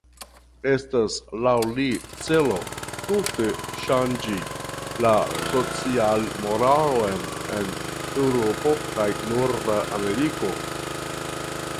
Estas laŭ li celo tute ŝanĝi la socialmoralon en Eŭropo kaj Norda Ameriko.